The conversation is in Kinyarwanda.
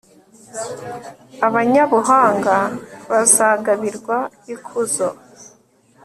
abanyabuhanga bazagabirwa ikuzo,